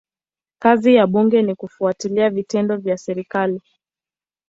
Kazi ya bunge ni kufuatilia vitendo vya serikali.